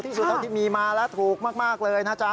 ที่สุดเท่าที่มีมาและถูกมากเลยนะจ๊ะ